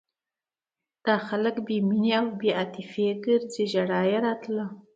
دا خلک بې مینې او بې عاطفې ګرځي ژړا یې راتله.